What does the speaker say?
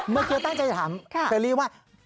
เมื่อกี้ตั้งใจจะถามเชอรี่ว่า